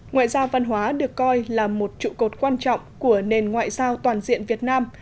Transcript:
ngoại giao văn hóa được coi là một trụ cột quan trọng của nền ngoại giao toàn diện việt nam